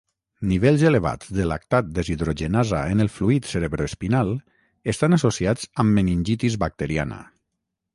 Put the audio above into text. Nivells elevats de lactat deshidrogenasa en el fluid cerebroespinal estan associats amb meningitis bacteriana.